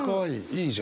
いいじゃん。